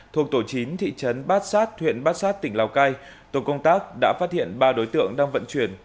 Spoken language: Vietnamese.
thuộc tổ chính thị trấn bát xát huyện bát xát tỉnh lào cai tổ công tác đã phát hiện ba đối tượng đang vận chuyển